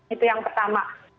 itu yang pertama